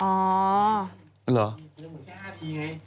มันจะหมุนแค่๕ทีไง